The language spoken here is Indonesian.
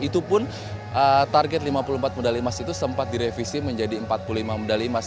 itu pun target lima puluh empat medali emas itu sempat direvisi menjadi empat puluh lima medali emas